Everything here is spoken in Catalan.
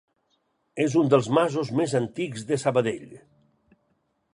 És un dels masos més antics de Sabadell.